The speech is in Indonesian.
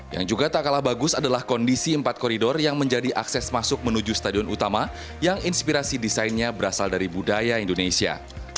yang juga tak kalah bagus adalah kondisi empat koridor yang menjadi akses masuk menuju stadion utama yang inspirasi desainnya berasal dari budaya indonesia